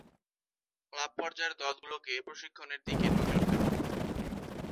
Club পর্যায়ের দলগুলোকে প্রশিক্ষণের দিকে নজর দেন।